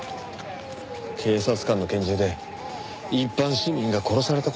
警察官の拳銃で一般市民が殺された事になりますよ。